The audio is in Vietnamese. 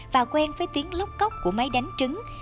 và quen với tiếng lóc cóc của máy đánh trứng